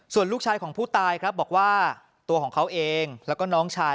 ส่วนลูกชายของผู้ตายครับบอกว่าตัวของเขาเองแล้วก็น้องชาย